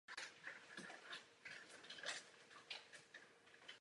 Vývojáři aplikací však vytvářejí nové aplikace v Javě neustále.